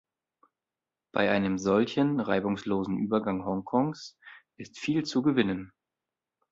Bei einem solchen reibungslosen Übergang Hongkongs ist viel zu gewinnen.